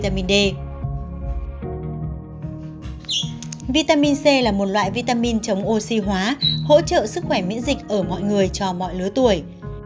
các bạn nên chú ý rằng chúng chứa các loại vitamin c là một loại vitamin chống oxy hóa hỗ trợ sức khỏe miễn dịch ở mọi người cho mọi lứa tuổi